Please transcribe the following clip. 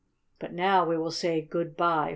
But now we will say "Good bye!"